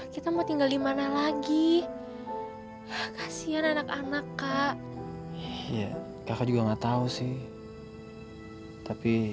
hmm terima kasih